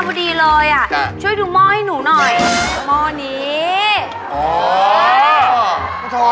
มีความรู้สึกว่า